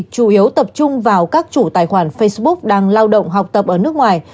chủ yếu tập trung vào các chủ tài khoản facebook đang lao động học tập ở nước ngoài